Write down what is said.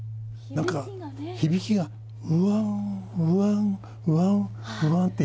何か響きがうわんうわんうわんうわんって。